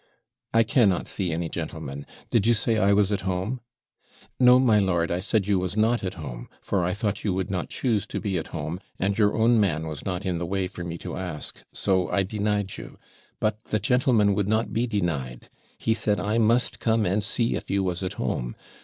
I cannot see any gentleman. Did you say I was at home?' 'No, my lord; I said you was not at home; for I thought you would not choose to be at home, and your own man was not in the way for me to ask so I denied you; but the gentleman would not be denied; he said I must come and see if you was at home.